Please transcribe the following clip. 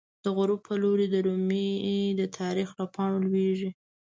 د غروب په لوری د رومی، د تاریخ له پاڼو لویزی